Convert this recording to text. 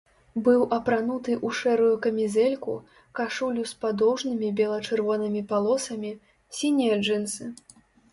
Быў апрануты ў шэрую камізэльку, кашулю з падоўжнымі бела-чырвонымі палосамі, сінія джынсы.